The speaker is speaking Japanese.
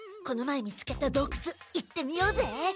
この前見つけた洞窟行ってみようぜ！